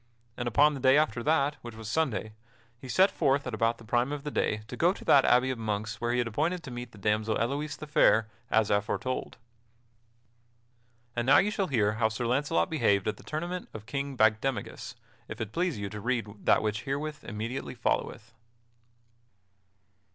And upon the day after that, which was Sunday, he set forth at about the prime of the day to go to that abbey of monks where he had appointed to meet the damsel Elouise the Fair, as aforetold. And now you shall hear how Sir Launcelot behaved at the tournament of King Bagdemagus, if it please you to read that which herewith immediately followeth.